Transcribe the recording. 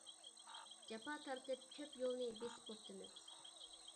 جاپا تارتىپ كۆپ يولنى بېسىپ بوپتىمىز.